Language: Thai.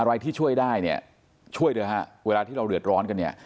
อะไรที่ช่วยได้เนี่ยช่วยเถอะฮะเวลาที่เราเดือดร้อนกันเนี่ย